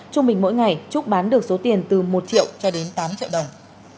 trung bình mỗi ngày trúc bán được số tiền từ một triệu cho đến tám triệu đồng